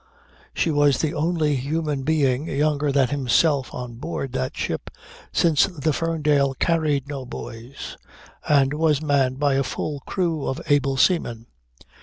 She was the only human being younger than himself on board that ship since the Ferndale carried no boys and was manned by a full crew of able seamen.